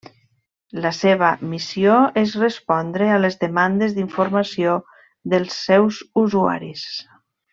La seva missió és respondre a les demandes d'informació dels seus usuaris.